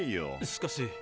しかし。